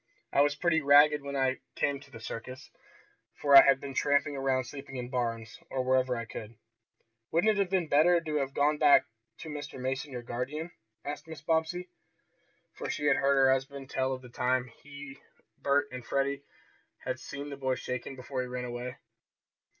I was pretty ragged when I came to the circus, for I had been tramping around sleeping in barns, or wherever I could." "Wouldn't it have been better to have gone back to Mr. Mason, your guardian?" asked Mrs. Bobbsey, for she had heard her husband tell of the time he, Bert and Freddie had seen the boy shaken before he ran away.